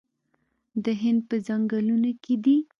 د هند په ځنګلونو کې دي